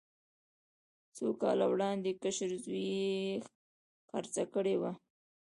څو کاله وړاندې کشر زوی یې خرڅه کړې وه.